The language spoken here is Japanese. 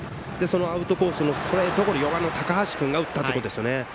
アウトコースのストレートを４番の高橋君が打ったということですね。